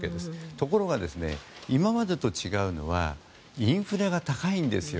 ところが、今までと違うのはインフレが高いんですよ。